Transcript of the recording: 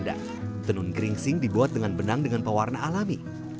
denun geringsing dibuat dengan benang dengan pewarna alami